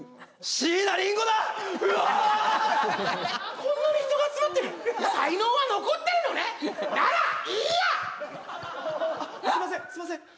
すみませんすみません